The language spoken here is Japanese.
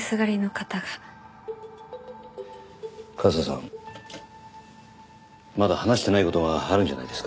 まだ話していない事があるんじゃないですか？